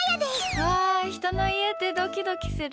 うわー、人の家ってドキドキする。